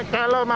kalau mau cepat